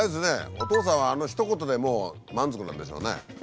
お父さんはあのひと言で満足なんでしょうね。